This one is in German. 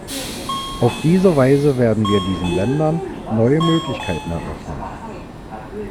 Auf diese Weise werden wir diesen Ländern neue Möglichkeiten eröffnen.